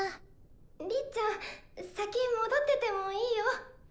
りっちゃん先戻っててもいいよ！